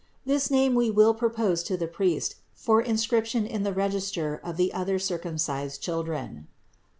This name we will propose to the priest, for inscription in the register of the other circumcised children."